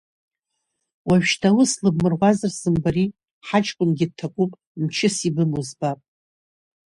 Уажәшьҭа аус лыбмыруазар зымбари, ҳаҷкәынгьы дҭакуп, мчыс ибымоу збап.